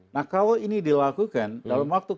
nah kalau ini dilakukan dalam waktu